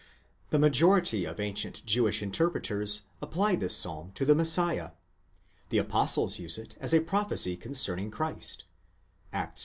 The majority of ancient Jewish interpreters apply this psalm to the Messiah ; 15 the apostles use it as a prophecy concerning Christ (Acts ii.